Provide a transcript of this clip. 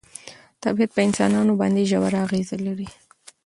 طبیعت په انسانانو باندې ژوره اغېزه لري.